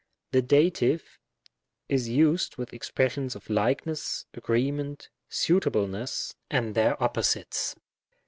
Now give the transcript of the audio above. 5. The Dative is used with expressions of likeness, agreement, suitableness, and their opposites.